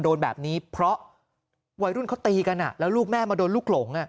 โดนแบบนี้เพราะวัยรุ่นเขาตีกันแล้วลูกแม่มาโดนลูกหลง